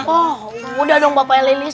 oh udah dong bapak elilis